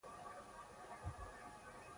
لیک باید درناوی ولري.